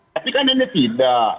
tapi kan ini tidak